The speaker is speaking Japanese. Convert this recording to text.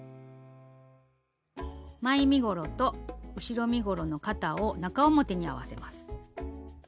前身ごろと後ろ身ごろの肩を中表に合わせます。